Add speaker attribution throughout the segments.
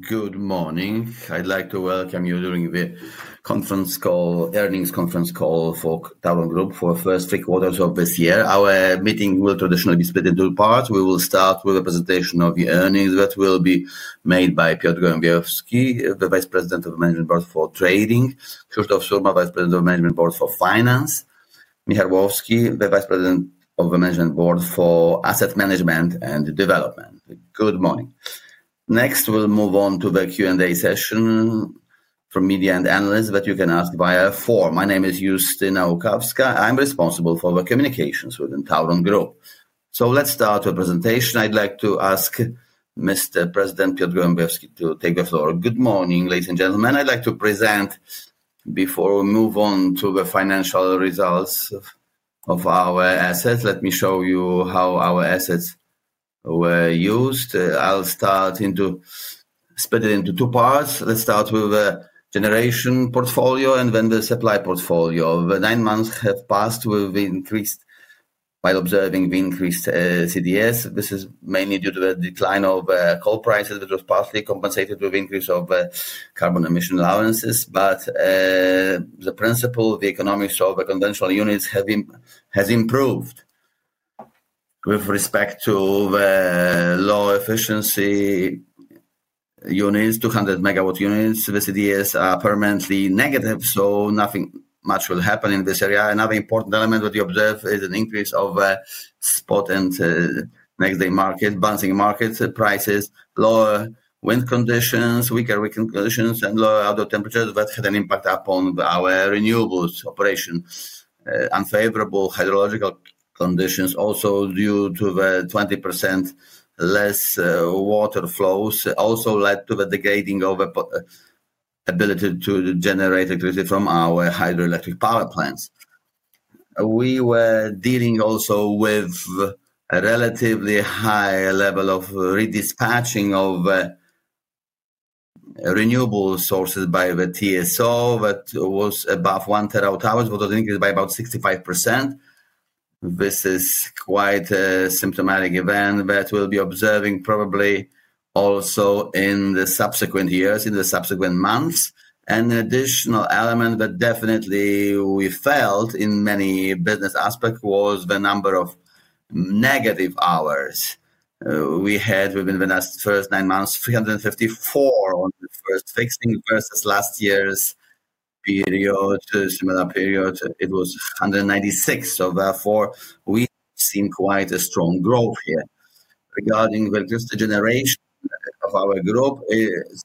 Speaker 1: Good morning. I'd like to welcome you during the conference call, earnings conference call for TAURON Group for the first three quarters of this year. Our meeting will traditionally be split into two parts. We will start with a presentation of the earnings that will be made by Piotr Gołębiowski, the Vice President of the Management Board for Trading, Krzysztof Surma, Vice President of the Management Board for Finance, Michał Orłowski, the Vice President of the Management Board for Asset Management and Development. Good morning. Next, we'll move on to the Q&A session from media and analysts that you can ask via FORUM. My name is Justyna Łukawska. I'm responsible for the communications within TAURON Group. Let's start the presentation. I'd like to ask Mr. President Piotr Gołębiowski to take the floor.
Speaker 2: Good morning, ladies and gentlemen. I'd like to present before we move on to the financial results of our assets. Let me show you how our assets were used. I'll start to split it into two parts. Let's start with the generation portfolio and then the supply portfolio. Nine months have passed. We've increased by observing the increased CDS. This is mainly due to the decline of coal prices, which was partially compensated with the increase of carbon emission allowances. The principle, the economics of the conventional units has improved with respect to the low efficiency units, 200 MW units. The CDS are permanently negative, so nothing much will happen in this area. Another important element that we observe is an increase of spot and next-day market, balancing market prices, lower wind conditions, weaker weekend conditions, and lower outdoor temperatures that had an impact upon our renewables operation. Unfavorable hydrological conditions, also due to the 20% less water flows, also led to the degrading of the ability to generate electricity from our hydroelectric power plants. We were dealing also with a relatively high level of redispatching of renewable sources by the TSO that was above 1 TW-hour, but was increased by about 65%. This is quite a symptomatic event that we'll be observing probably also in the subsequent years, in the subsequent months. An additional element that definitely we felt in many business aspects was the number of negative hours we had within the last first nine months, 354 on the first fixing versus last year's period, similar period. It was 196. Therefore, we've seen quite a strong growth here. Regarding the generation of our group, it's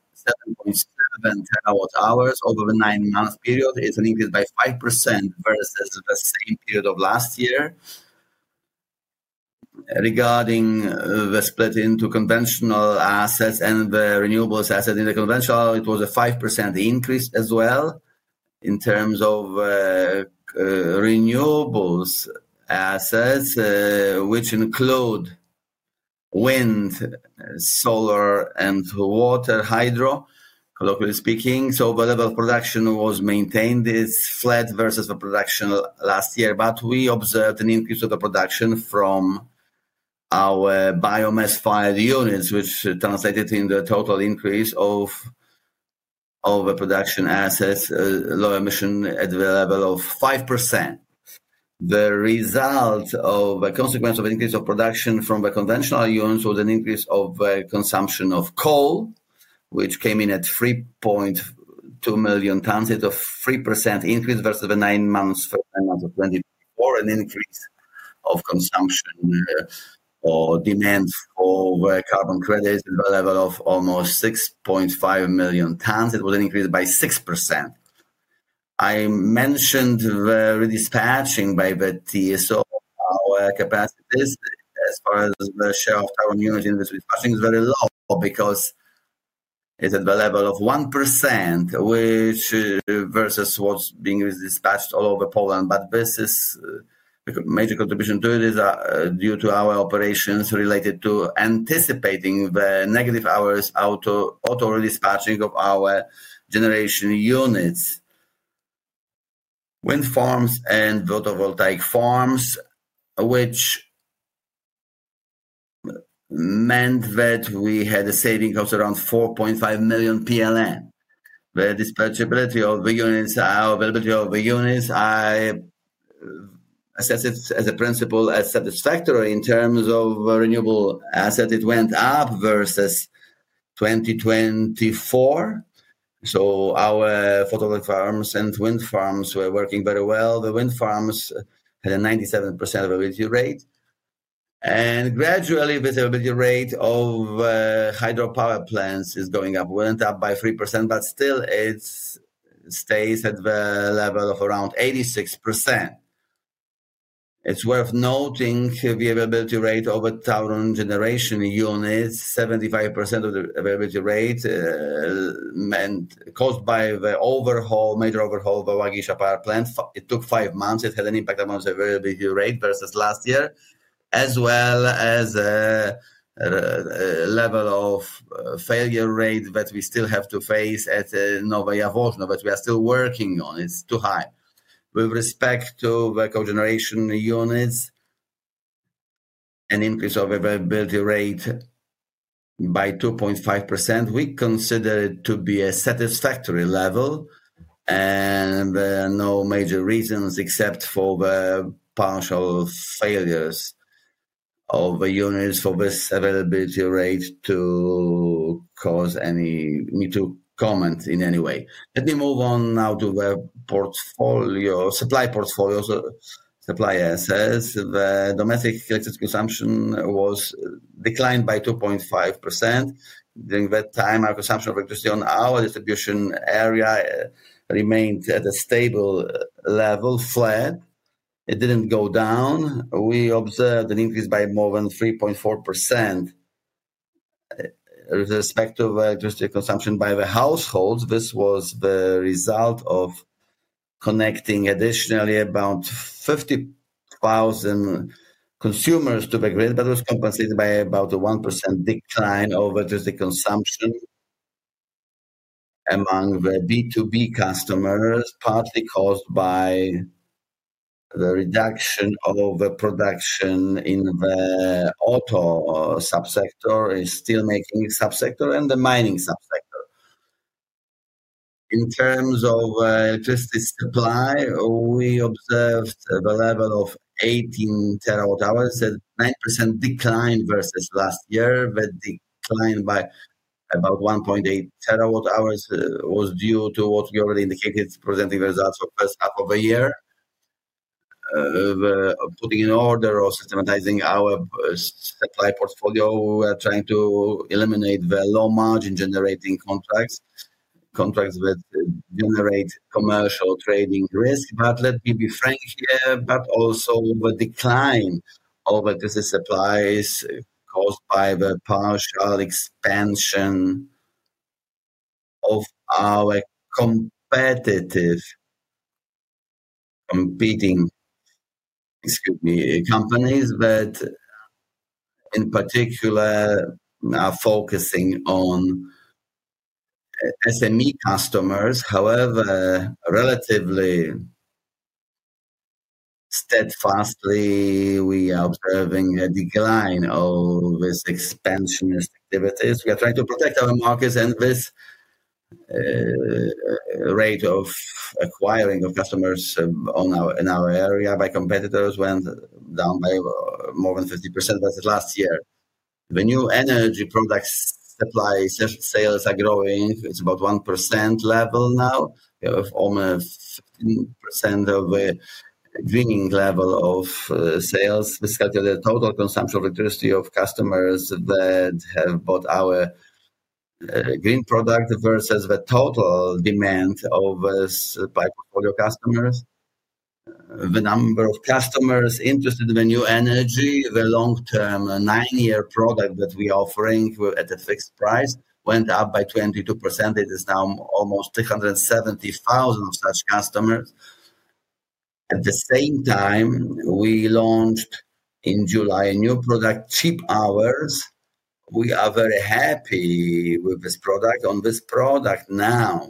Speaker 2: 7.7 TW-hours over the nine-month period. It's an increase by 5% versus the same period of last year. Regarding the split into conventional assets and the renewables assets in the conventional, it was a 5% increase as well in terms of renewables assets, which include wind, solar, and water, hydro, colloquially speaking. The level of production was maintained. It is flat versus the production last year, but we observed an increase of the production from our biomass-fired units, which translated in the total increase of the production assets, low emission at the level of 5%. The result of a consequence of increase of production from the conventional units was an increase of consumption of coal, which came in at 3.2 million tons. It is a 3% increase versus the nine months of 2024, an increase of consumption or demand for carbon credits at the level of almost 6.5 million tons. It was an increase by 6%. I mentioned the redispatching by the TSO, our capacities as far as the share of TAURON units in this redispatching is very low because it is at the level of 1%, which versus what is being redispatched all over Poland. This is a major contribution to it due to our operations related to anticipating the negative hours auto-redispatching of our generation units, wind farms, and photovoltaic farms, which meant that we had a saving of around 4.5 million PLN. The dispatchability of the units, our availability of the units, I assess it as a principle as satisfactory in terms of renewable assets. It went up versus 2024. Our photovoltaic farms and wind farms were working very well. The wind farms had a 97% availability rate. Gradually, the availability rate of hydropower plants is going up. We went up by 3%, but still, it stays at the level of around 86%. It's worth noting the availability rate of a TAURON generation unit, 75% of the availability rate meant caused by the overhaul, major overhaul of a Łagisza Power Plant. It took five months. It had an impact on the availability rate versus last year, as well as a level of failure rate that we still have to face at Nowe Jaworzno, but we are still working on. It's too high. With respect to the cogeneration units, an increase of availability rate by 2.5%. We consider it to be a satisfactory level and no major reasons except for the partial failures of the units for this availability rate to cause any need to comment in any way. Let me move on now to the portfolio, supply portfolio, supply assets. The domestic electricity consumption was declined by 2.5%. During that time, our consumption of electricity on our distribution area remained at a stable level, flat. It did not go down. We observed an increase by more than 3.4% with respect to electricity consumption by the households. This was the result of connecting additionally about 50,000 consumers to the grid, but it was compensated by about a 1% decline of electricity consumption among the B2B customers, partly caused by the reduction of production in the auto subsector, steelmaking subsector, and the mining subsector. In terms of electricity supply, we observed the level of 18 TW-hours, a 9% decline versus last year. The decline by about 1.8 TW-hours was due to what we already indicated, presenting the results for the first half of the year. Putting in order or systematizing our supply portfolio, we are trying to eliminate the low-margin generating contracts, contracts that generate commercial trading risk. Let me be frank here, the decline of electricity supplies is also caused by the partial expansion of our competing companies that in particular are focusing on SME customers. However, relatively steadfastly, we are observing a decline of these expansionist activities. We are trying to protect our markets, and this rate of acquiring customers in our area by competitors went down by more than 50% versus last year. The new energy product supply sales are growing. It is about 1% level now, almost 15% of the greening level of sales. This is calculated as total consumption of electricity of customers that have bought our green product versus the total demand of our supply portfolio customers. The number of customers interested in the new energy, the long-term nine-year product that we are offering at a fixed price, went up by 22%. It is now almost 370,000 of such customers. At the same time, we launched in July a new product, Cheap Hours. We are very happy with this product. On this product now,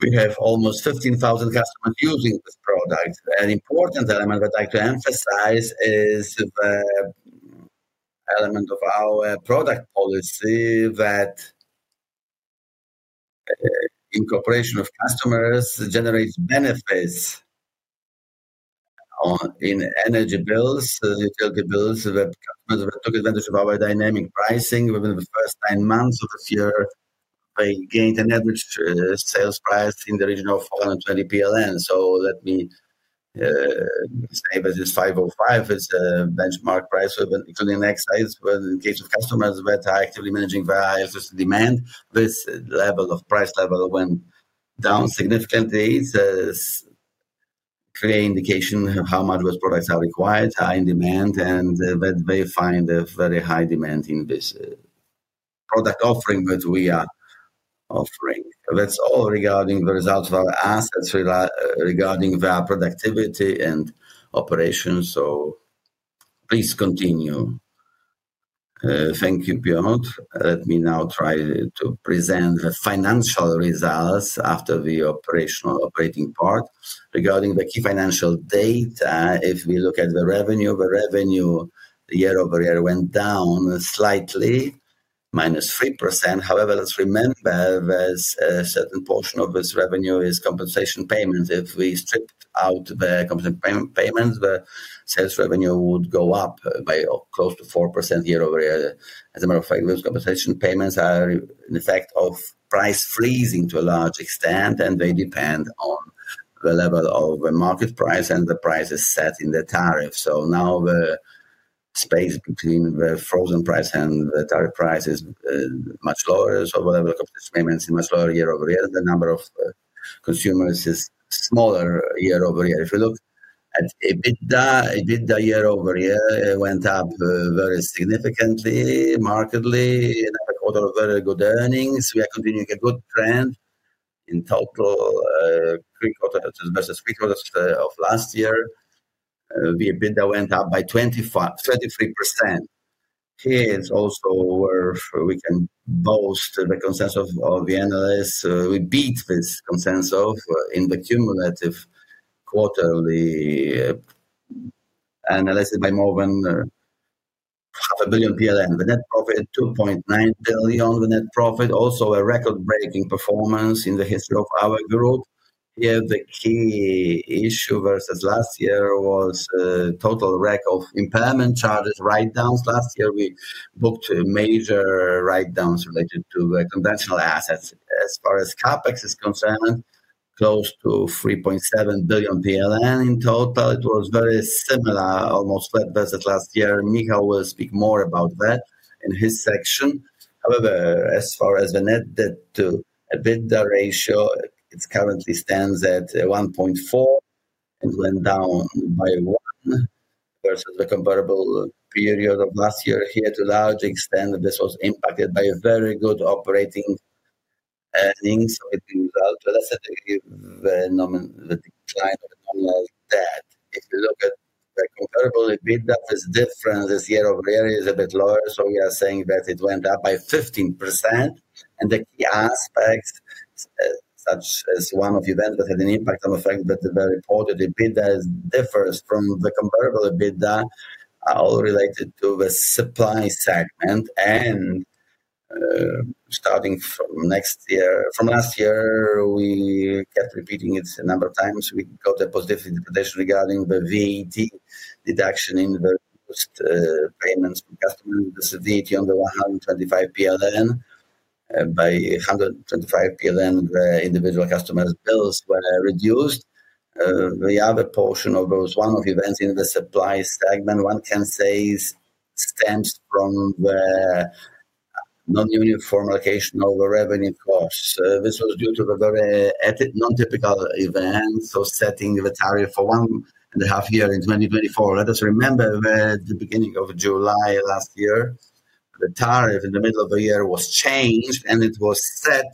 Speaker 2: we have almost 15,000 customers using this product. An important element that I'd like to emphasize is the element of our product policy that incorporation of customers generates benefits in energy bills, utility bills. The customers took advantage of our dynamic pricing. Within the first nine months of this year, they gained an average sales price in the region of PLN 420. Let me say this is 505. It's a benchmark price including excise in case of customers that are actively managing their high-electricity demand. This level of price level went down significantly. It's a clear indication of how much those products are required, high in demand, and that they find a very high demand in this product offering that we are offering. That's all regarding the results of our assets regarding their productivity and operations. Please continue.
Speaker 3: Thank you, Piotr. Let me now try to present the financial results after the operational operating part. Regarding the key financial data, if we look at the revenue, the revenue year over year went down slightly, minus 3%. However, let's remember there's a certain portion of this revenue is compensation payments. If we stripped out the compensation payments, the sales revenue would go up by close to 4% year-over-year. As a matter of fact, those compensation payments are an effect of price freezing to a large extent, and they depend on the level of the market price and the prices set in the tariff. Now the space between the frozen price and the tariff price is much lower. The level of compensation payments is much lower year over year. The number of consumers is smaller year over year. If you look at EBITDA, EBITDA year over year went up very significantly, markedly. Another quarter of very good earnings. We are continuing a good trend in total pre-quarter versus pre-quarter of last year. The EBITDA went up by 23%. Here is also where we can boast the consensus of the analysts. We beat this consensus in the cumulative quarterly analysis by more than half a billion PLN. The net profit is 2.9 billion. The net profit is also a record-breaking performance in the history of our group. Here, the key issue versus last year was the total record of impairment charges, write-downs. Last year, we booked major write-downs related to the conventional assets. As far as CapEx is concerned, close to 3.7 billion PLN in total. It was very similar, almost flat versus last year. Michal will speak more about that in his section. However, as far as the net debt to EBITDA ratio, it currently stands at 1.4 and went down by 1 versus the comparable period of last year. Here, to a large extent, this was impacted by very good operating earnings. It resulted in a decline of nominal debt. If you look at the comparable EBITDA, this difference year over year is a bit lower. We are saying that it went up by 15%. The key aspects, such as one of the events that had an impact on the fact that the reported EBITDA differs from the comparable EBITDA, are all related to the supply segment. Starting from last year, we kept repeating it a number of times. We got a positivity prediction regarding the VAT deduction in the reduced payments for customers. This is VAT under 125 PLN. By 125 PLN, the individual customers' bills were reduced. The other portion of those, one of the events in the supply segment, one can say, stems from the non-uniform allocation of the revenue costs. This was due to a very non-typical event. Setting the tariff for one and a half years in 2024. Let us remember the beginning of July last year, the tariff in the middle of the year was changed, and it was set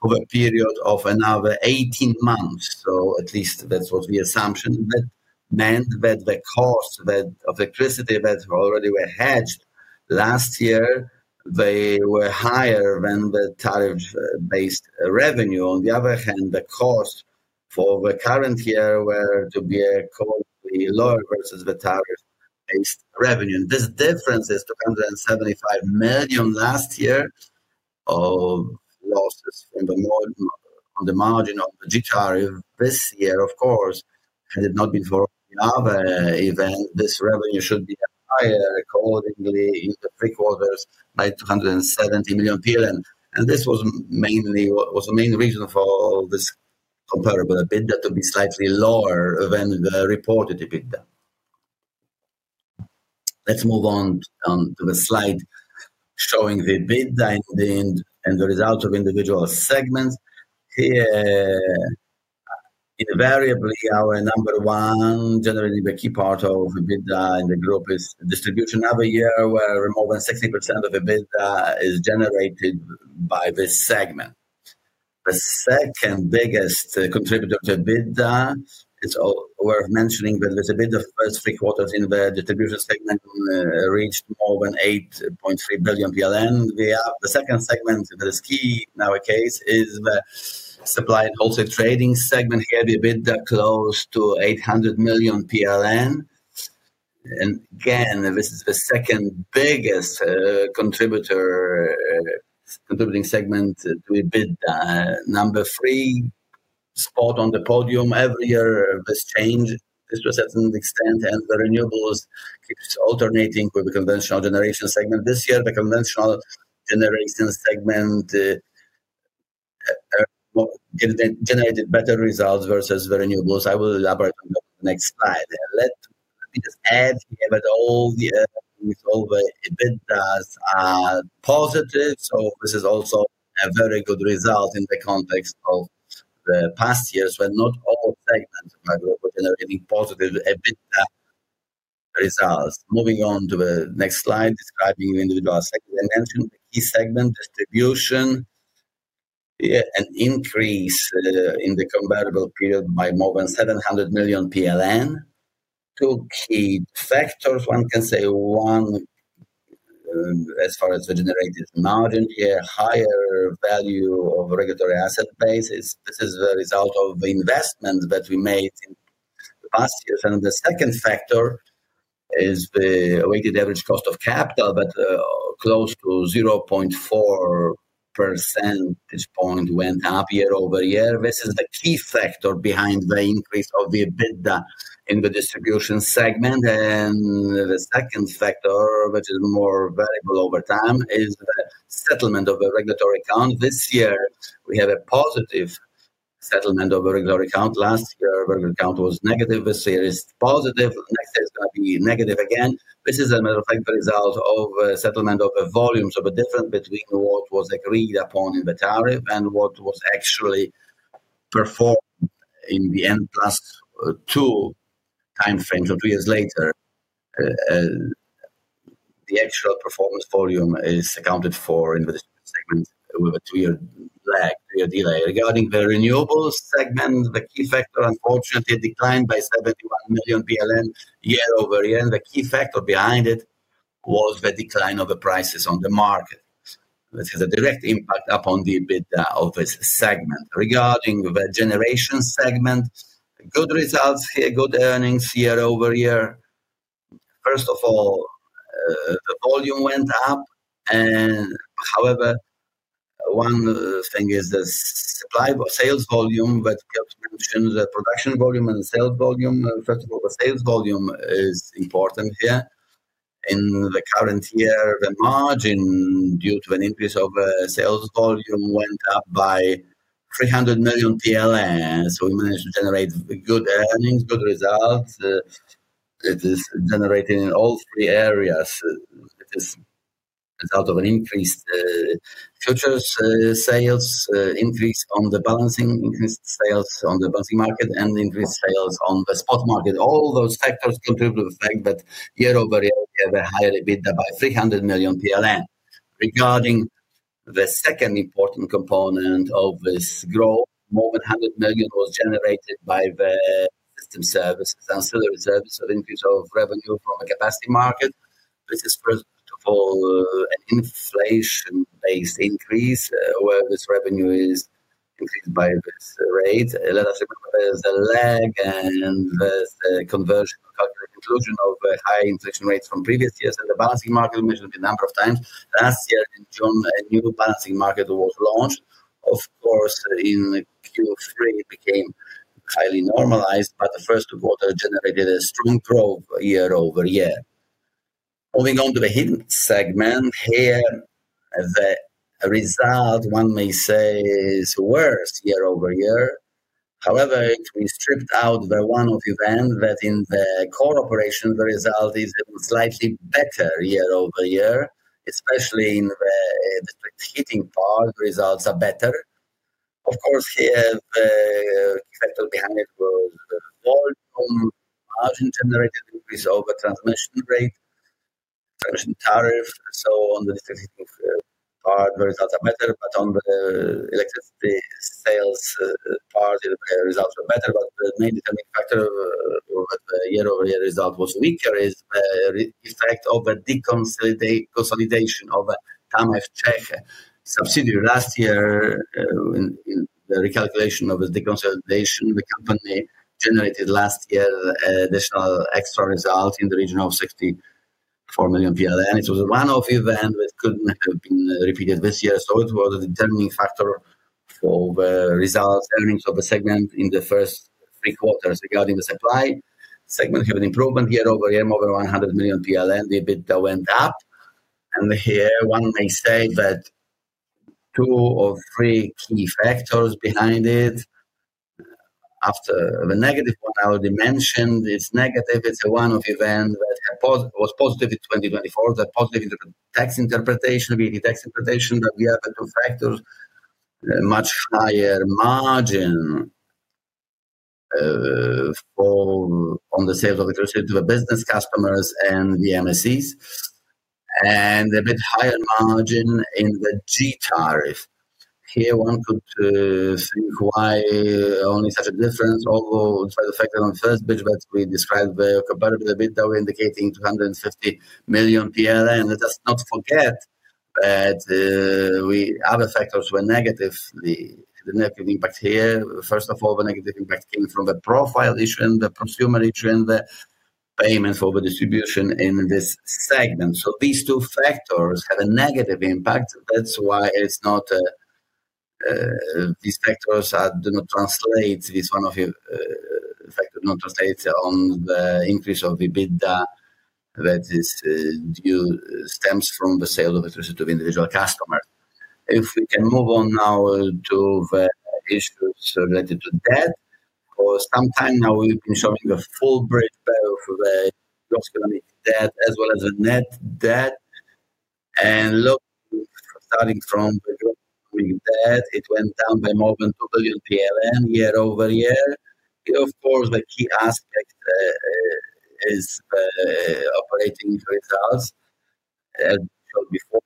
Speaker 3: for a period of another 18 months. At least that's what we assumed. That meant that the cost of electricity that already were hedged last year, they were higher than the tariff-based revenue. On the other hand, the cost for the current year were to be lower versus the tariff-based revenue. This difference is 275 million last year of losses on the margin of the G tariff. This year, of course, had it not been for the other event, this revenue should be higher accordingly in the pre-quarters by 270 million PLN. This was mainly the main reason for this comparable EBITDA to be slightly lower than the reported EBITDA. Let's move on to the slide showing the EBITDA and the results of individual segments. Here, invariably, our number one, generally the key part of EBITDA in the group is distribution every year, where more than 60% of EBITDA is generated by this segment. The second biggest contributor to EBITDA, it's worth mentioning that the EBITDA first three quarters in the distribution segment reached more than 8.3 billion PLN. The second segment that is key in our case is the supply and wholesale trading segment. Here, the EBITDA close to 800 million PLN. Again, this is the second biggest contributing segment to EBITDA. Number three spot on the podium every year, this changes to a certain extent, and the renewables keeps alternating with the conventional generation segment. This year, the conventional generation segment generated better results versus the renewables. I will elaborate on that in the next slide. Let me just add here that all the EBITDAs are positive. This is also a very good result in the context of the past years when not all segments of our group were generating positive EBITDA results. Moving on to the next slide, describing the individual segment. I mentioned the key segment distribution. Here, an increase in the comparable period by more than 700 million PLN. Two key factors, one can say one, as far as the generated margin here, higher value of regulatory asset base. This is the result of investments that we made in the past years. The second factor is the weighted average cost of capital, but close to 0.4 percentage point went up year-over-year. This is the key factor behind the increase of the EBITDA in the distribution segment. The second factor, which is more variable over time, is the settlement of the regulatory account. This year, we have a positive settlement of the regulatory account. Last year, the regulatory account was negative. This year is positive. Next year is going to be negative again. This is, as a matter of fact, the result of a settlement of the volumes, of a difference between what was agreed upon in the tariff and what was actually performed in the N+2 timeframe or two years later. The actual performance volume is accounted for in the distribution segment with a two-year lag, two-year delay. Regarding the renewables segment, the key factor, unfortunately, declined by 71 million year-over-year. The key factor behind it was the decline of the prices on the market. This has a direct impact upon the EBITDA of this segment. Regarding the generation segment, good results here, good earnings year over year. First of all, the volume went up. However, one thing is the supply sales volume that we have to mention, the production volume and the sales volume. First of all, the sales volume is important here. In the current year, the margin due to an increase of sales volume went up by 300 million. We managed to generate good earnings, good results. It is generating in all three areas. It is the result of an increased futures sales increase on the balancing, increased sales on the balancing market, and increased sales on the spot market. All those factors contribute to the fact that year-over-year, we have a higher EBITDA by 300 million PLN. Regarding the second important component of this growth, more than 100 million was generated by the system services, ancillary services of increase of revenue from the capacity market. This is first to fall an inflation-based increase where this revenue is increased by this rate. Let us acknowledge the lag and the conversion calculated inclusion of high inflation rates from previous years. The balancing market, we mentioned a number of times. Last year in June, a new balancing market was launched. Of course, in Q3, it became highly normalized, but the first quarter generated a strong growth year over year. Moving on to the hidden segment here, the result, one may say, is worse year-over-year. However, if we strip out the one-off event that in the core operation, the result is slightly better year-over-year, especially in the heating part, the results are better. Of course, here, the key factor behind it was volume, margin generated increase over transmission rate, transmission tariff. On the electricity part, the results are better, but on the electricity sales part, the results are better. The main determining factor of the year-over-year result was weaker is the effect of the consolidation of TAURON's Czech subsidiary. Last year, in the recalculation of its de-consolidation, the company generated last year an additional extra result in the region of 64 million PLN. It was a one-off event that couldn't have been repeated this year. It was a determining factor for the results, earnings of the segment in the first three quarters. Regarding the supply segment, we have an improvement year-over-year, more than 100 million PLN. The EBITDA went up. Here, one may say that two or three key factors behind it, after the negative one I already mentioned, is negative. It's a one-off event that was positive in 2024, that positive in the tax interpretation, VAT tax interpretation, that we have two factors, much higher margin on the sales of electricity to the business customers and the MSEs, and a bit higher margin in the G tariff. Here, one could think, why only such a difference, although despite the fact that on the first bid that we described, the comparable EBITDA we're indicating 250 million PLN. Let us not forget that we have other factors were negative. The negative impact here, first of all, the negative impact came from the profile issuing, the prosumer issuing, the payments for the distribution in this segment. These two factors have a negative impact. That's why these factors do not translate, this one-off factor does not translate on the increase of EBITDA that stems from the sale of electricity to the individual customer. If we can move on now to the issues related to debt, for some time now, we've been showing a full breakdown of the gross economic debt as well as the net debt. Look, starting from the gross economic debt, it went down by more than 2 billion PLN year-over-year. Here, of course, the key aspect is operating results. As we showed before,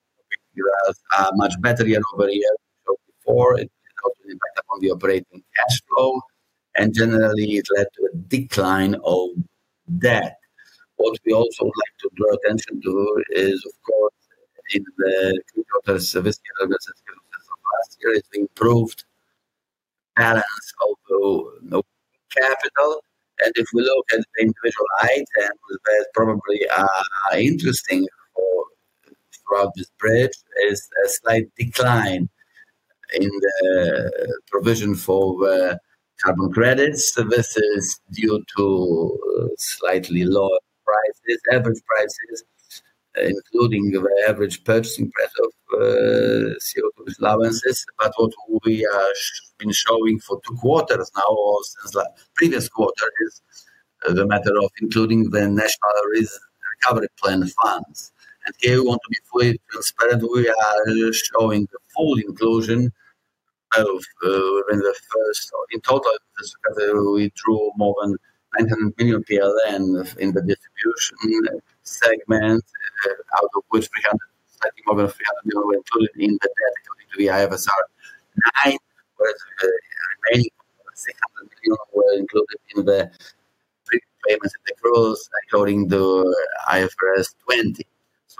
Speaker 3: results are much better year over year than we showed before. It caused an impact upon the operating cash flow. Generally, it led to a decline of debt. What we also would like to draw attention to is, of course, in the three quarters of this year and the last year, it improved balance of the capital. If we look at the individual items, that's probably interesting throughout this bridge, is a slight decline in the provision for carbon credits. This is due to slightly lower prices, average prices, including the average purchasing price of CO2 allowances. What we have been showing for two quarters now, or since the previous quarter, is the matter of including the National Recovery Plan funds. Here, we want to be fully transparent. We are showing the full inclusion of within the first in total, we drew more than 900 million PLN in the distribution segment, out of which slightly more than 300 million were included in the debt. According to IFRS 9, the remaining 600 million were included in the payments in the gross according to IFRS 20.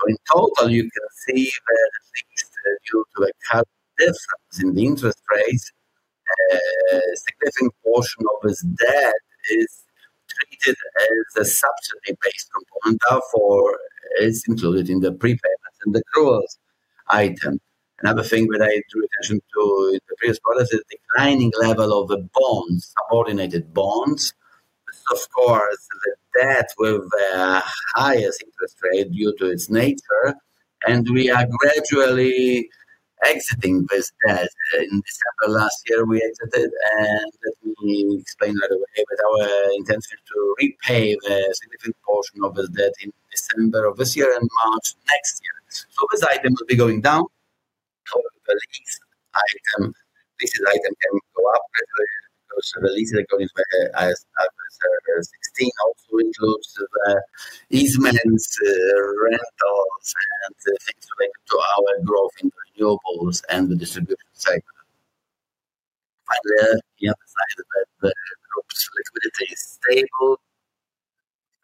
Speaker 3: In total, you can see that at least due to the current difference in the interest rates, a significant portion of this debt is treated as a subsidy-based component for is included in the prepayments and the gross item. Another thing that I drew attention to in the previous part is the declining level of the bonds, subordinated bonds. Of course, the debt with the highest interest rate due to its nature. We are gradually exiting this debt. In December last year, we exited. Let me explain right away with our intention to repay the significant portion of this debt in December of this year and March next year. This item will be going down. The lease item, leases item can go up gradually because the leases according to IFRS 16 also includes the easements, rentals, and things related to our growth in the renewables and the distribution segment. Finally, the other side is that the group's liquidity is stable,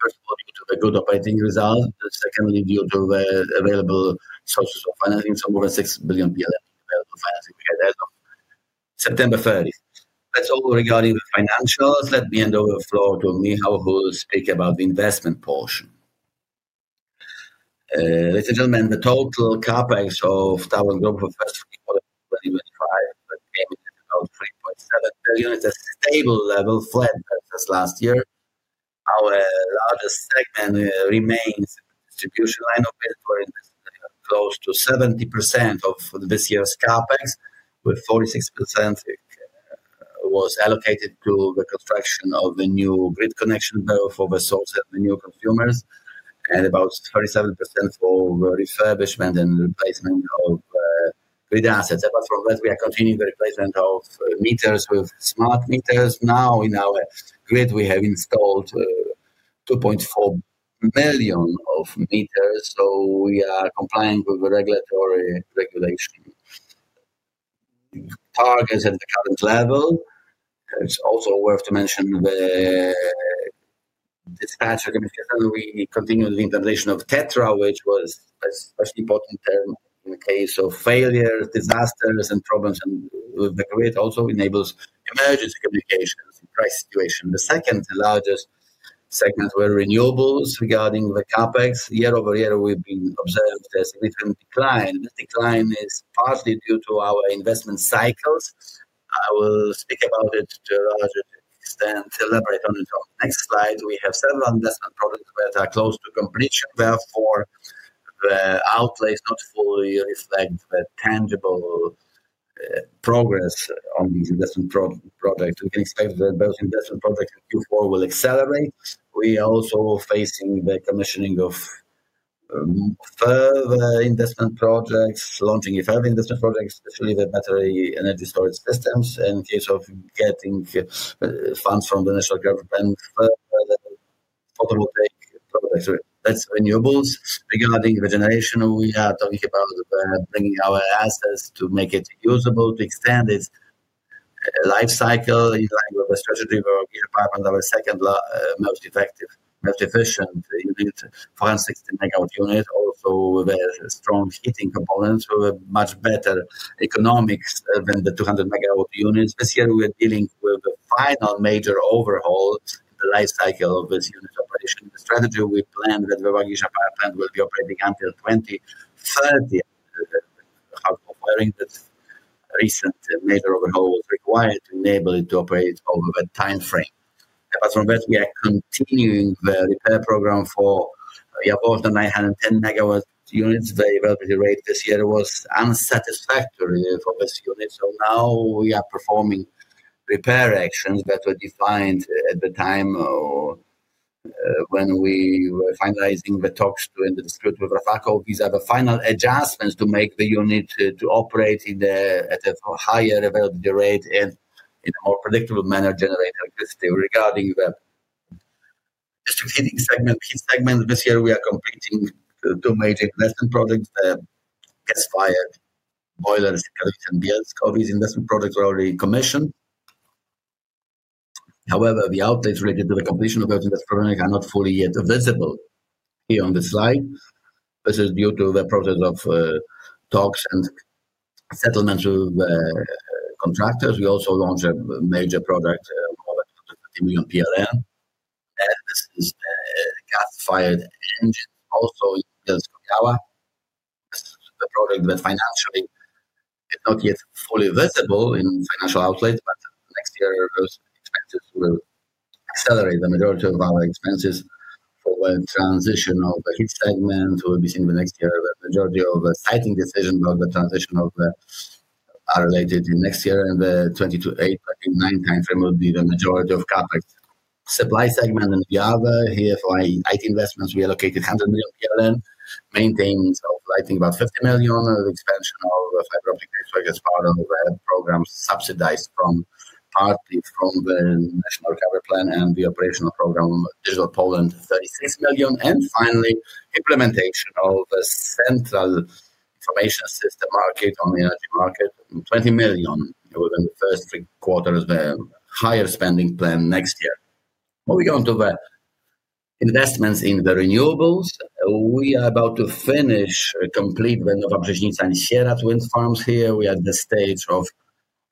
Speaker 3: first of all due to the good operating results, secondly due to the available sources of financing, so more than 6 billion available financing we had as of September 30. That's all regarding the financials. Let me hand over the floor to Michał, who will speak about the investment portion.
Speaker 4: Ladies and gentlemen, the total CapEx of TAURON Group for the first three quarters of 2025 came in at about 3.7 billion. It's a stable level, flat versus last year. Our largest segment remains in the distribution line of business, wherein this is close to 70% of this year's CapEx, with 46% allocated to the construction of a new grid connection for the source and the new prosumers, and about 37% for the refurbishment and replacement of grid assets. Apart from that, we are continuing the replacement of meters with smart meters. Now, in our grid, we have installed 2.4 million meters, so we are complying with the regulatory regulation targets at the current level. It's also worth to mention the dispatch communication. We continue the implementation of TETRA, which was a special important term in the case of failures, disasters, and problems in the grid. It also enables emergency communications in crisis situations. The second largest segment were renewables. Regarding the CapEx, year-over-year, we've been observing a significant decline. This decline is partly due to our investment cycles. I will speak about it to a larger extent, elaborate on it on the next slide. We have several investment projects that are close to completion. Therefore, the outlays not fully reflect the tangible progress on these investment projects. We can expect that those investment projects in Q4 will accelerate. We are also facing the commissioning of further investment projects, launching further investment projects, especially the battery energy storage systems in case of getting funds from the national government for the photovoltaic projects. That's renewables. Regarding the generation, we are talking about bringing our assets to make it usable, to extend its lifecycle. In line with the strategy, we're working to pipe out our second most effective, most efficient unit, 460 MW unit, also with strong heating components, with much better economics than the 200 MW units. This year, we're dealing with the final major overhaul in the lifecycle of this unit operation. The strategy we planned that the Łagisza Power Plant will be operating until 2030, however, that recent major overhaul was required to enable it to operate over that timeframe. Apart from that, we are continuing the repair program for we have bought the 910 MW units. The availability rate this year was unsatisfactory for this unit. Now we are performing repair actions that were defined at the time when we were finalizing the talks to end the dispute with Rafako. These are the final adjustments to make the unit operate at a higher availability rate and in a more predictable manner generate electricity. Regarding the district heating segment, this year we are completing two major investment projects. The gas-fired boilers, gas-fired boilers, and gas-fired boilers. Coppice investment projects were already commissioned. However, the outlays related to the completion of those investment projects are not fully yet visible here on the slide. This is due to the process of talks and settlement with contractors. We also launched a major project of 15 million PLN. This is gas-fired engines, also used as cooking power. This is a project that financially is not yet fully visible in financial outlays, but next year, those expenses will accelerate the majority of our expenses for the transition of each segment. We will be seeing next year the majority of the siting decisions about the transition are related in next year. The 2028-2029 timeframe will be the majority of CapEx. Supply segment and the other. Here, for IT investments, we allocated 100 million PLN, maintaining of lighting about 50 million, the expansion of fiber optic networks as part of the program subsidized partly from the National Recovery Plan and the operational program, Digital Poland, 36 million. Finally, implementation of the central information system market on the energy market, 20 million within the first three quarters, the higher spending plan next year. Moving on to the investments in the renewables, we are about to finish complete the Novaprižnica and Sierra wind farms here. We are at the stage of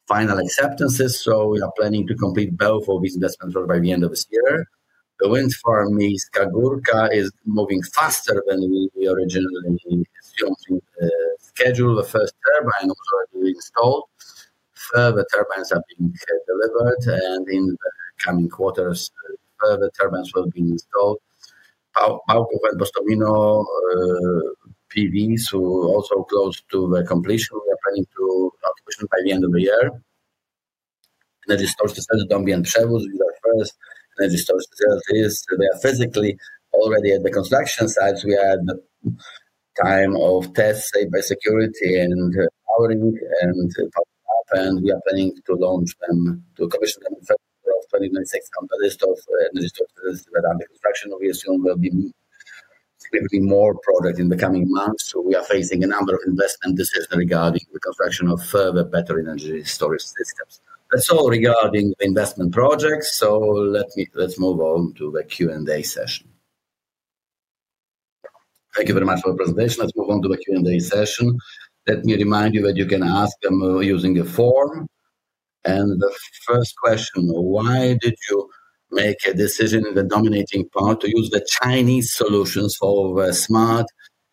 Speaker 4: final acceptances. We are planning to complete both of these investments by the end of this year. The wind farm in Miejska Górka is moving faster than we originally assumed in the schedule. The first turbine was already installed. Further turbines are being delivered. In the coming quarters, further turbines will be installed. Power and Postomino PVs are also close to the completion. We are planning to complete by the end of the year. Energy storage facility Przewóz, we are the first energy storage facility. They are physically already at the construction sites. We had the time of tests, safety, security, and powering and power up. We are planning to launch them to commission them in February of 2026. On the list of energy storage facilities that are under construction, we assume will be significantly more projects in the coming months. We are facing a number of investment decisions regarding the construction of further better energy storage systems. That's all regarding the investment projects. Let's move on to the Q&A session.
Speaker 1: Thank you very much for the presentation. Let's move on to the Q&A session. Let me remind you that you can ask using a form. The first question, why did you make a decision in the dominating part to use the Chinese solutions for the smart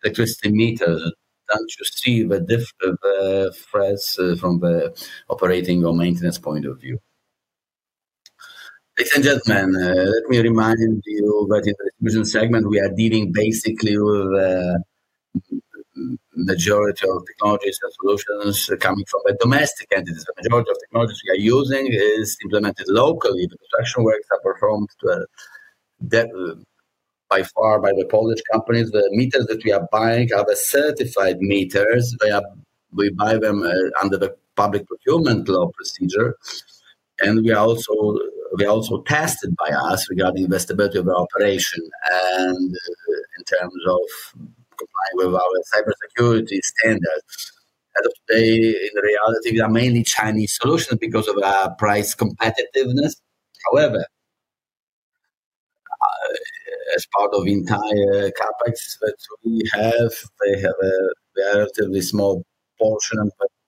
Speaker 1: electricity meters? Don't you see the difference from the operating or maintenance point of view?
Speaker 4: Ladies and gentlemen, let me remind you that in the distribution segment, we are dealing basically with the majority of technologies and solutions coming from the domestic entities. The majority of technologies we are using is implemented locally. The construction works are performed by far by the Polish companies. The meters that we are buying are the certified meters. We buy them under the public procurement law procedure. We are also tested by us regarding the stability of our operation and in terms of complying with our cybersecurity standards. As of today, in reality, we are mainly Chinese solutions because of our price competitiveness. However, as part of the entire CapEx that we have, they have a relatively small portion, but the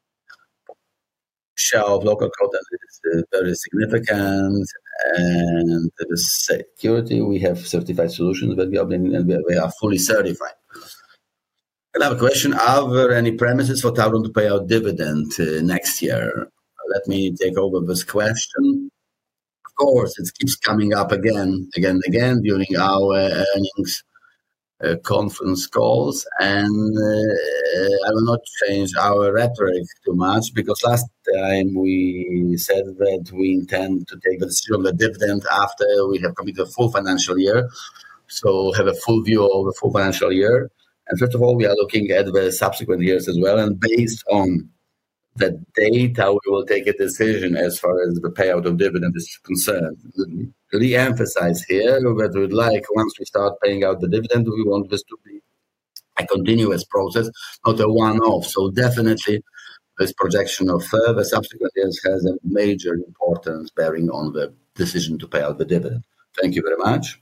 Speaker 4: share of local products is very significant. The security, we have certified solutions that we are bringing in, and we are fully certified.
Speaker 1: Another question, are there any premises for TAURON to pay our dividend next year?
Speaker 3: Let me take over this question. Of course, it keeps coming up again, again, again during our earnings conference calls. I will not change our rhetoric too much because last time we said that we intend to take the decision on the dividend after we have completed a full financial year, so have a full view of the full financial year. First of all, we are looking at the subsequent years as well. Based on the data, we will take a decision as far as the payout of dividend is concerned. I want to re-emphasize here that we'd like once we start paying out the dividend, we want this to be a continuous process, not a one-off. Definitely, this projection of further subsequent years has a major importance bearing on the decision to pay out the dividend.
Speaker 1: Thank you very much.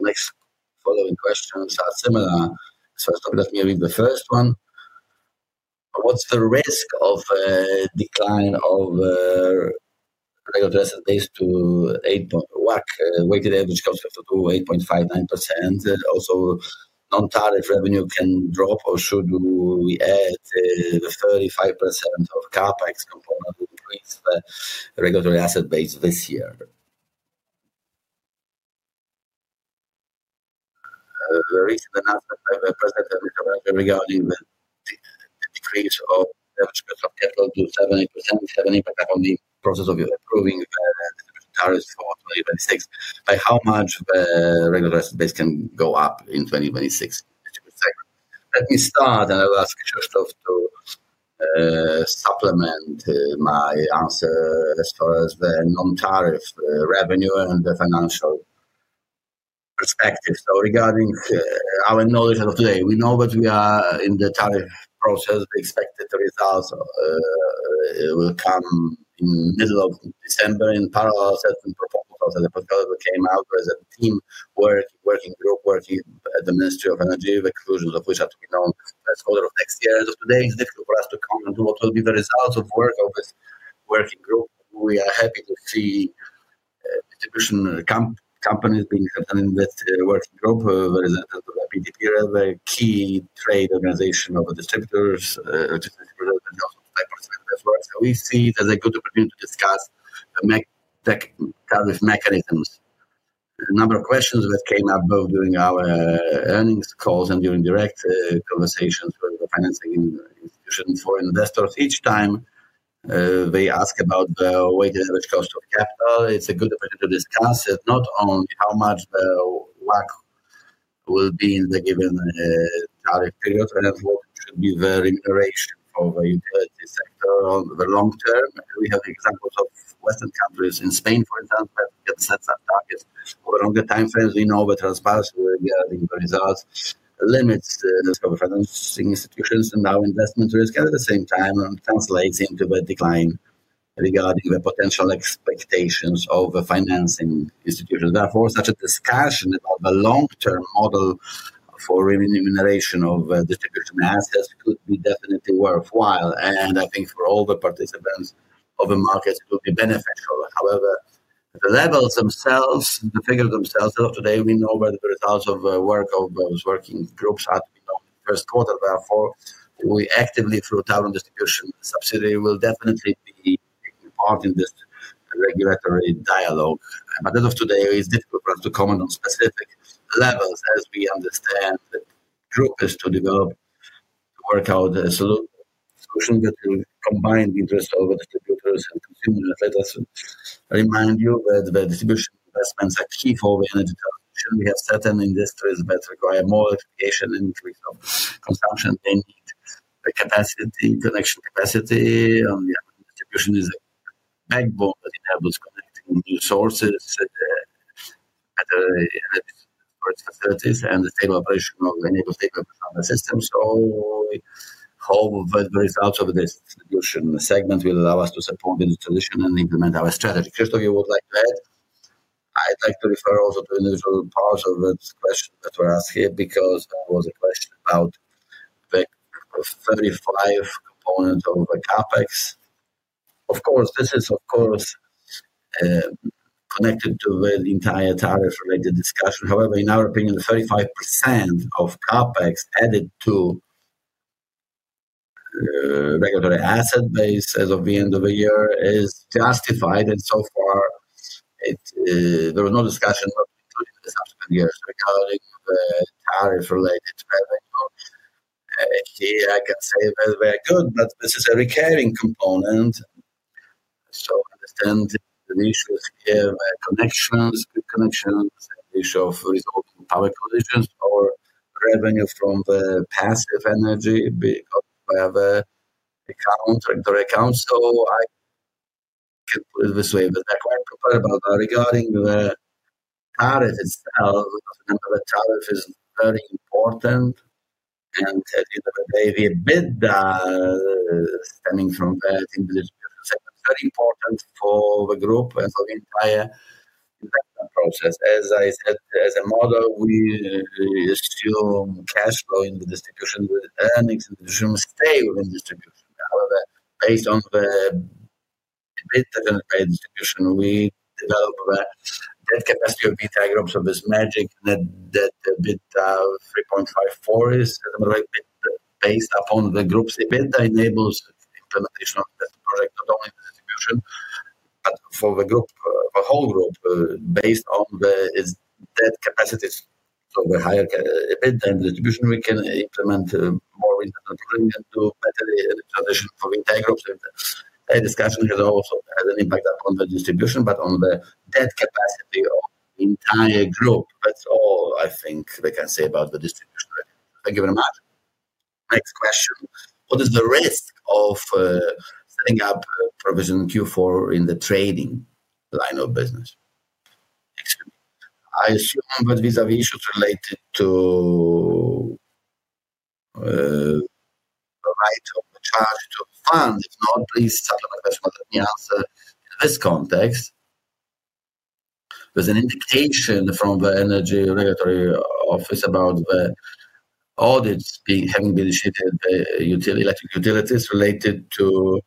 Speaker 1: Next following questions are similar. First of all, let me read the first one. What's the risk of decline of regulatory asset base to 8.1? Work weighted average comes to 8.59%. Also, non-target revenue can drop, or should we add the 35% of CapEx component to increase the regulatory asset base this year? There is another presentation regarding the decrease of leverage cost of capital to 70%, having an impact on the process of improving the distribution tariffs for 2026. By how much the regulatory asset base can go up in 2026?
Speaker 4: Let me start, and I'll ask Krzysztof to supplement my answer as far as the non-tariff revenue and the financial perspective. Regarding our knowledge as of today, we know that we are in the tariff process. The expected results will come in the middle of December. In parallel, certain proposals and the proposals that came out as a team working group, working at the Ministry of Energy, the conclusions of which are to be known as the order of next year. As of today, it's difficult for us to comment on what will be the results of work of this working group. We are happy to see distribution companies being certain in this working group. There is a PDPR, the key trade organization of the distributors, which is represented also by President. We see it as a good opportunity to discuss the tariff mechanisms. A number of questions that came up both during our earnings calls and during direct conversations with the financing institutions for investors. Each time, they ask about the weighted average cost of capital. It's a good opportunity to discuss not only how much the work will be in the given tariff period, but what should be the remuneration for the utility sector on the long term. We have examples of Western countries in Spain, for example, that set some targets over longer timeframes. We know that transparency regarding the results limits of the financing institutions and our investment risk at the same time translates into a decline regarding the potential expectations of financing institutions. Therefore, such a discussion about the long-term model for remuneration of distribution assets could be definitely worthwhile. I think for all the participants of the markets, it would be beneficial. However, the levels themselves, the figures themselves, as of today, we know where the results of the work of those working groups are to be known in the first quarter. Therefore, we actively, through TAURON distribution subsidiary, will definitely be taking part in this regulatory dialogue. As of today, it's difficult for us to comment on specific levels as we understand that the group is to develop, to work out a solution that will combine the interests of the distributors and consumers. Let us remind you that the distribution investments are key for the energy transition. We have certain industries that require more education and increase of consumption. They need the connection capacity. Distribution is a backbone that enables connecting new sources, better energy storage facilities, and the stable operation of enabled stable power systems. We hope that the results of this distribution segment will allow us to support the distribution and implement our strategy. Krzysztof, you would like to add?
Speaker 3: I'd like to refer also to individual parts of this question that were asked here because there was a question about the 35 components of the CapEx. Of course, this is, of course, connected to the entire tariff-related discussion. However, in our opinion, 35% of CapEx added to regulatory asset base as of the end of the year is justified. So far, there was no discussion of including the subsequent years regarding the tariff-related revenue. Here, I can say very good, but this is a recurring component. I understand the issues here with connections, good connections, the issue of resulting power provisions, power revenue from the passive energy because we have a counter-account. I can put it this way. They're quite prepared. Regarding the tariff itself, the number of tariffs is very important. At the end of the day, we bid stemming from that in the distribution segment, which is very important for the group and for the entire investment process. As I said, as a model, we assume cash flow in the distribution with earnings and distribution stable in distribution. However, based on the bid-generated distribution, we develop a bid capacity of BTI groups of this magic net bid of 3.54. It's based upon the group's bid. That enables the implementation of this project, not only the distribution, but for the whole group, based on the debt capacities. The higher bid in distribution means we can implement more recent agreement to better the transition for BTI groups. The discussion has also had an impact upon the distribution, but on the debt capacity of the entire group. That's all I think we can say about the distribution.
Speaker 1: Thank you very much. Next question. What is the risk of setting up provision Q4 in the trading line of business?
Speaker 2: I assume that these are the issues related to the right of charge to fund. If not, please supplement the question. Let me answer in this context. There's an indication from the Energy Regulatory Office about the audits having been issued to electric utilities related to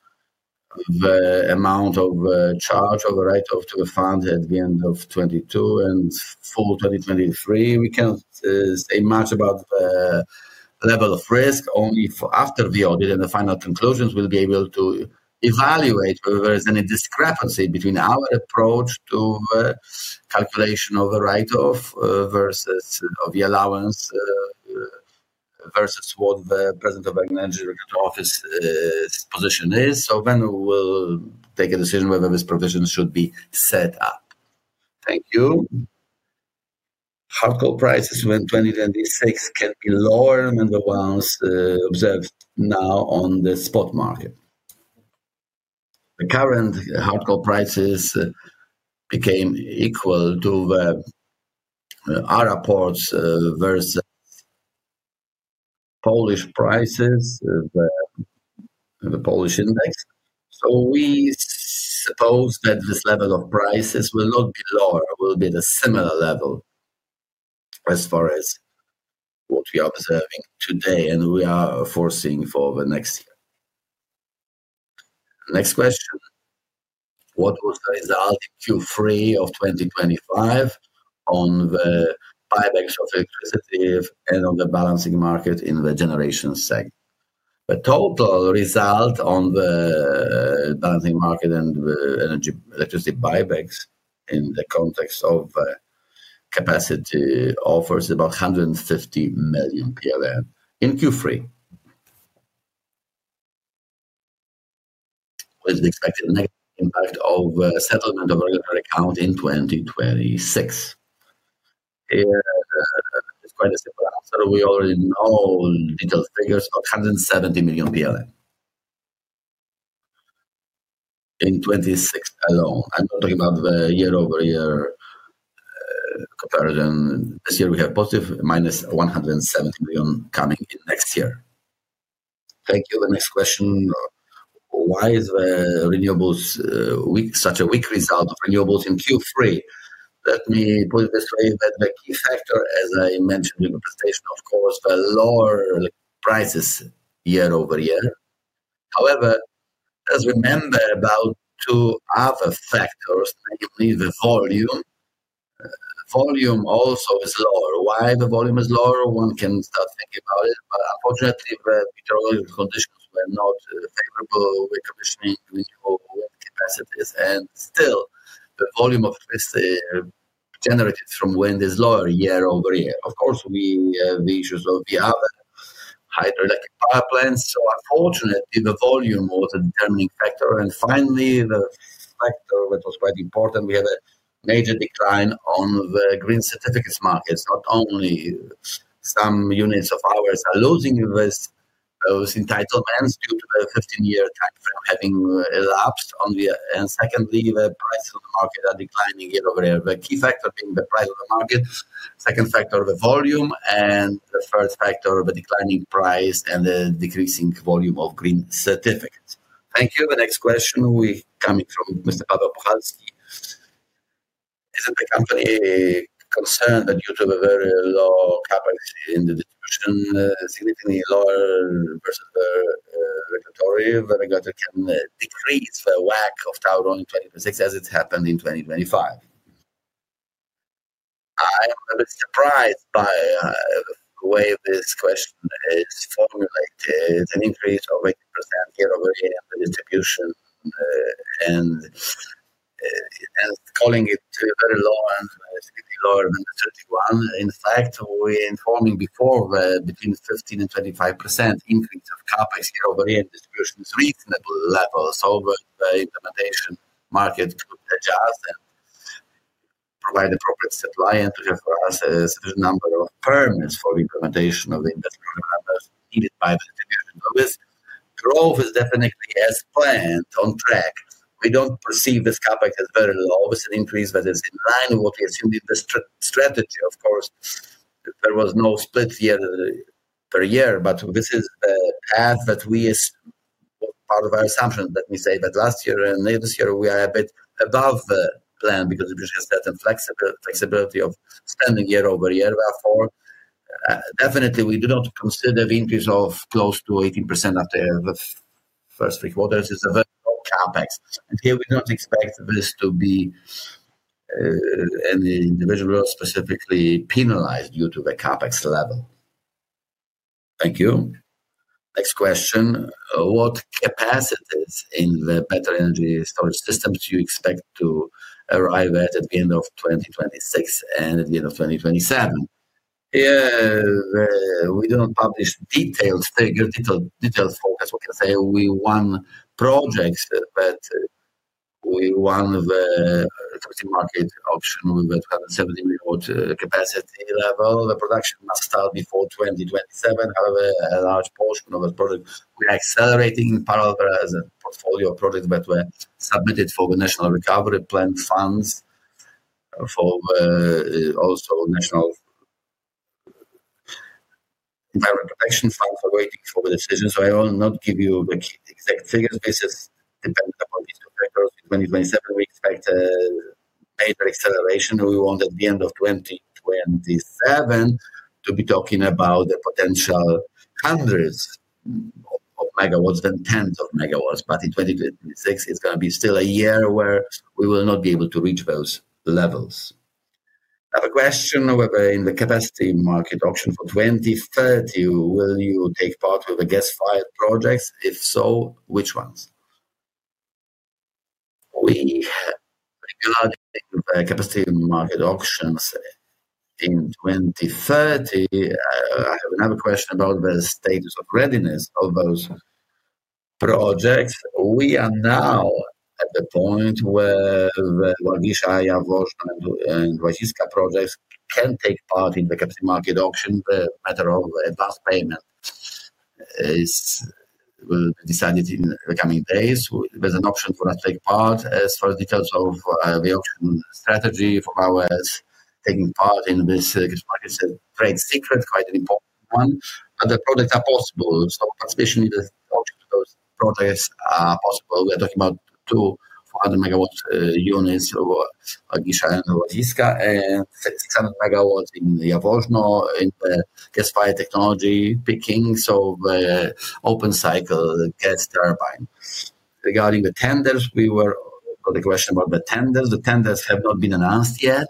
Speaker 2: the amount of charge of the right to fund at the end of 2022 and full 2023. We can't say much about the level of risk. Only after the audit and the final conclusions, we'll be able to evaluate whether there is any discrepancy between our approach to the calculation of the right versus the allowance versus what the present of the Energy Regulatory Office position is. We will take a decision whether this provision should be set up.
Speaker 1: Thank you. Hardcore prices when 2026 can be lower than the ones observed now on the spot market.
Speaker 2: The current hardcore prices became equal to the ARA ports versus Polish prices, the Polish index. We suppose that this level of prices will not be lower. It will be at a similar level as far as what we are observing today and we are foreseeing for the next year.
Speaker 1: Next question. What was the result in Q3 of 2025 on the buybacks of electricity and on the balancing market in the generation segment?
Speaker 2: The total result on the balancing market and the electricity buybacks in the context of capacity offers about 150 million PLN in Q3.
Speaker 1: What is the expected negative impact of settlement of regulatory account in 2026?
Speaker 3: It's quite a simple answer. We already know detailed figures of PLN 170 million in 2026 alone. I'm not talking about the year-over-year comparison. This year, we have positive minus 170 million coming in next year.
Speaker 1: Thank you. The next question. Why is such a weak result of renewables in Q3?
Speaker 3: Let me put it this way. The key factor, as I mentioned in the presentation, of course, the lower prices year over year. However, let's remember about two other factors, namely the volume. Volume also is lower. Why the volume is lower? One can start thinking about it. Unfortunately, the meteorological conditions were not favorable with conditioning wind capacities. Still, the volume of generators from wind is lower year over year. Of course, we have the issues of the other hydroelectric power plants. Unfortunately, the volume was a determining factor. Finally, the factor that was quite important, we have a major decline on the green certificates markets. Not only some units of ours are losing those entitlements due to the 15-year timeframe having elapsed. Secondly, the prices of the market are declining year over year. The key factor being the price of the market, second factor the volume, and the third factor the declining price and the decreasing volume of green certificates.
Speaker 1: Thank you. The next question coming from Mr. Paweł Puchalski. Isn't the company concerned that due to the very low CapEx in the distribution, significantly lower versus the regulatory, the regulator can decrease the WACC of TAURON in 2026 as it's happened in 2025?
Speaker 4: I'm a bit surprised by the way this question is formulated. It's an increase of 80% year-over-year in the distribution and calling it very low and significantly lower than the 31. In fact, we're informing before between 15% and 25% increase of CapEx year over year in distribution is reasonable levels. However, the implementation market could adjust and provide appropriate supply and to have for us a sufficient number of permits for the implementation of the investment requirements needed by the distribution. This growth is definitely as planned, on track. We do not perceive this CapEx as very low. It is an increase that is in line with what we assumed in the strategy. Of course, there was no split year per year, but this is the path that we as part of our assumption. Let me say that last year and this year, we are a bit above the plan because we have certain flexibility of spending year-over-year. Therefore, we do not consider the increase of close to 18% after the first three quarters. It is a very low CapEx. Here, we do not expect this to be an individual specifically penalized due to the CapEx level.
Speaker 1: Thank you. Next question. What capacities in the battery energy storage systems do you expect to arrive at at the end of 2026 and at the end of 2027?
Speaker 4: We do not publish detailed figures, detailed focus. We can say we won projects, but we won the market option with a 270 MW capacity level. The production must start before 2027. However, a large portion of the project we are accelerating in parallel as a portfolio of projects that were submitted for the National Recovery Plan funds for also National Environment Protection Fund for waiting for the decision. I will not give you the exact figures based on these objectives. In 2027, we expect major acceleration. We want at the end of 2027 to be talking about the potential hundreds of megawatts and tens of megawatts. In 2026, it's going to be still a year where we will not be able to reach those levels.
Speaker 1: Another question. However, in the capacity market option for 2030, will you take part with the gas-fired projects? If so, which ones?
Speaker 4: We are in the capacity market options in 2030. I have another question about the status of readiness of those projects. We are now at the point where Łagisza, Jaworzno, and Łaziska projects can take part in the capacity market option. The matter of advance payment is decided in the coming days. There's an option for us to take part as far as details of the option strategy for our taking part in this trade secret, quite an important one. Other projects are possible. So participation in those projects is possible. We are talking about two 400 MW units, Łagisza and Łaziska, and 600 MW in Jaworzno in the gas-fired technology, pickings of open cycle gas turbine. Regarding the tenders, we got a question about the tenders. The tenders have not been announced yet.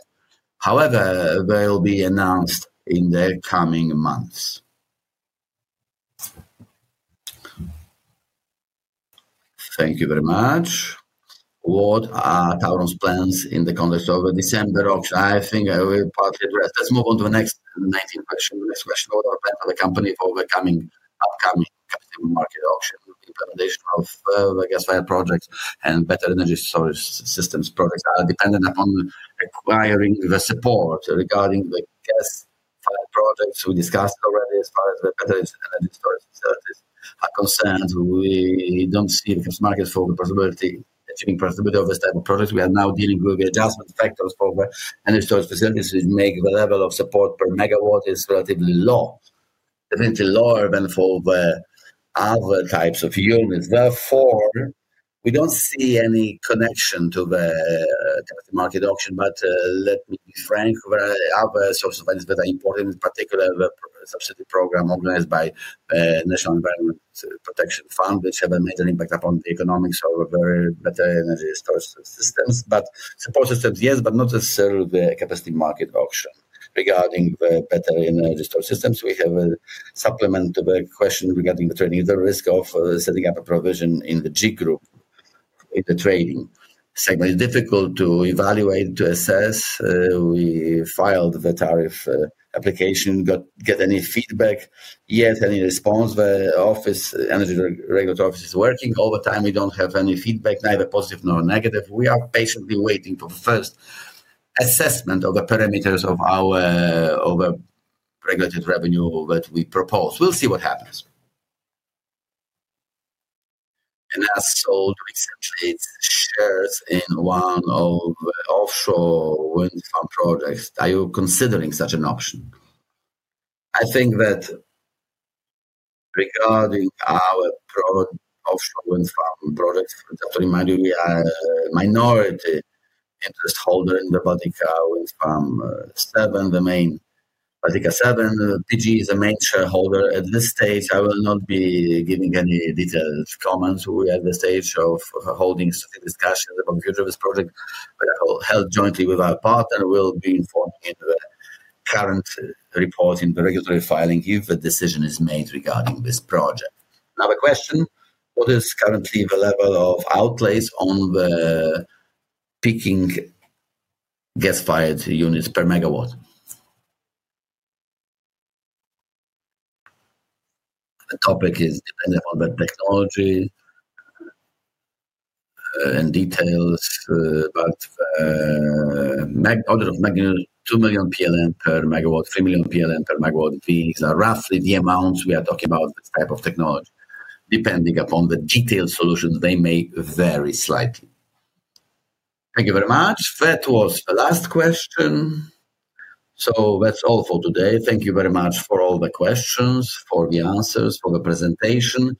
Speaker 4: However, they will be announced in the coming months.
Speaker 1: Thank you very much. What are TAURON's plans in the context of the December auction? I think I will partly address. Let's move on to the next 19 question. The next question about our plan for the company for the coming upcoming capital market auction. Implementation of the gas-fired projects and battery energy storage systems projects are dependent upon acquiring the support.
Speaker 4: Regarding the gas-fired projects, we discussed already. As far as the battery energy storage facilities are concerned, we don't see the market for the possibility of achieving profitability of this type of project. We are now dealing with the adjustment factors for the energy storage facilities which make the level of support per megawatt is relatively low, definitely lower than for other types of units. Therefore, we do not see any connection to the market auction. Let me be frank, there are other sources of funds that are important, in particular the subsidy program organized by the National Environment Protection Fund, which have made an impact upon the economics of better energy storage systems.
Speaker 1: Support systems, yes, but not necessarily the capacity market auction. Regarding the better energy storage systems, we have a supplement to the question regarding the training. The risk of setting up a provision in the G group.
Speaker 2: In the trading segment is difficult to evaluate, to assess. We filed the tariff application. Got any feedback yet? Any response? The energy regulatory office is working. Over time, we don't have any feedback, neither positive nor negative. We are patiently waiting for the first assessment of the parameters of our regulated revenue that we propose. We'll see what happens.
Speaker 1: As sold recently shares in one of the offshore wind farm projects, are you considering such an option?
Speaker 4: I think that regarding our offshore wind farm projects, we are a minority interest holder in the Baltica Wind Farm 7, the main Baltica 7. PGE is a major holder at this stage. I will not be giving any detailed comments. We are at the stage of holding discussions upon the future of this project. We are held jointly with our partner. We'll be informed in the current report in the regulatory filing if a decision is made regarding this project.
Speaker 1: Another question. What is currently the level of outlays on the peaking gas fire units per megawatt?
Speaker 4: The topic is dependent on the technology and details, but orders of magnitude 2 million per megawatt, 3 million per megawatt VEs are roughly the amounts we are talking about this type of technology. Depending upon the detailed solutions, they may vary slightly.
Speaker 1: Thank you very much. That was the last question. That is all for today. Thank you very much for all the questions, for the answers, for the presentation.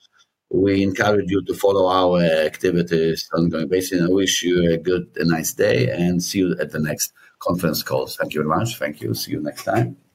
Speaker 1: We encourage you to follow our activities on a good basis. I wish you a good and nice day, and see you at the next conference call. Thank you very much.
Speaker 2: Thank you.
Speaker 1: See you next time. Thank you.